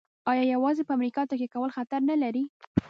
آیا یوازې په امریکا تکیه کول خطر نلري؟